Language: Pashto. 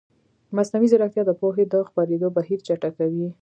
مصنوعي ځیرکتیا د پوهې د خپرېدو بهیر چټکوي.